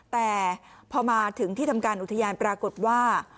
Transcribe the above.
แต่พอมาถึงที่ทำการอุทยานปรากฏว่า